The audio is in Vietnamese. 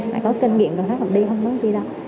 mẹ có kinh nghiệm rồi thật không đi không có gì đâu